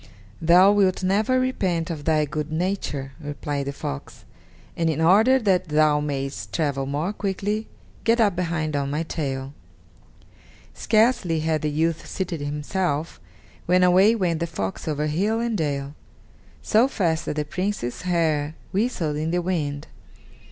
"Thou wilt never repent of thy good nature," replied the fox, "and in order that thou mayest travel more quickly, get up behind on my tail." Scarcely had the youth seated himself, when away went the fox over hill and dale, so fast that the Prince's hair whistled in the wind.